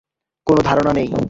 কোনো ধারণা নেই।